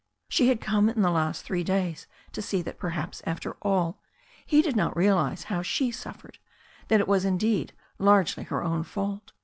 She had come in the last three days to see that perhaps, after all, he did not realize how she suffered, that it was, indeed, largely her own fault.